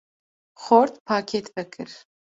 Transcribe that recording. ‘’ Xort, pakêt vekir.